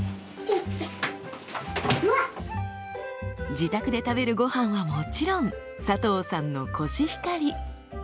自宅で食べるごはんはもちろん佐藤さんのコシヒカリ。